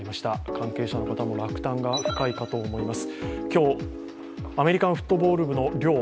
関係者の方も落胆も深いかと思います。